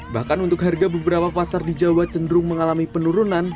bahkan untuk harga beberapa pasar di jawa cenderung mengalami penurunan